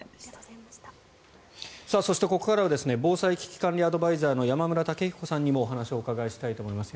そして、ここからは防災・危機管理アドバイザーの山村武彦さんにもお話をお伺いしたいと思います。